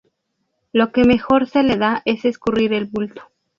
Lo que mejor se le da es escurrir el bulto